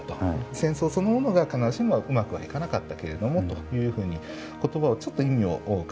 戦争そのものが必ずしもうまくはいかなかったけれどもというふうに言葉をちょっと意味を変えたりしている。